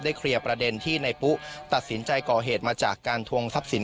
เคลียร์ประเด็นที่ในปุ๊ตัดสินใจก่อเหตุมาจากการทวงทรัพย์สิน